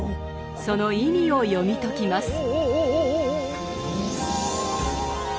その意味を読み解きます。